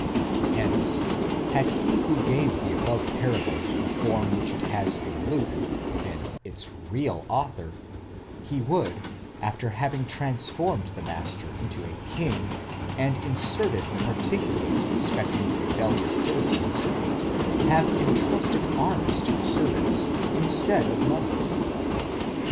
Hence, had he who gave the above parable the form which it has in Luke, been its real author, he would, after having transformed the master into a king, and inserted the particulars respecting the rebellious citizens, have in trusted arms to the servants instead of money (comp.